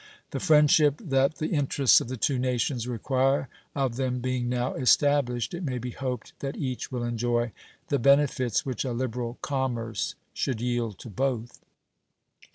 The friendship that the interests of the two nations require of them being now established, it may be hoped that each will enjoy the benefits which a liberal commerce should yield to both.